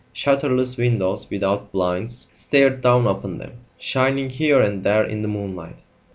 Shutterless windows, without blinds, stared down upon them, shining here and there in the moonlight.